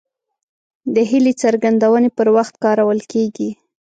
د هیلې څرګندونې پر وخت کارول کیږي.